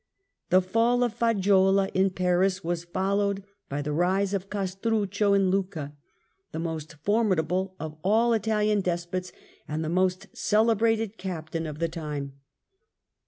The fall of Faggiuola in Pisa was followed by the rise Castruccio Oistrfic3.iii of Castruccio in Lucca, the most formidable of all Italian despots and the most celebrated captain of the time.